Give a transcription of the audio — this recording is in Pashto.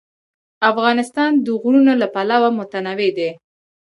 افغانستان د غرونه له پلوه متنوع دی.